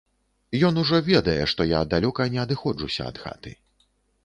Ён ужо ведае, што я далёка не адыходжуся ад хаты.